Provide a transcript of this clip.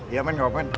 iya men gak apa apa men